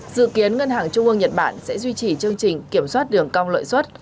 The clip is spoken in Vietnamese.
dự kiến ngân hàng trung ương nhật bản sẽ duy trì chương trình kiểm soát đường cong lãi suất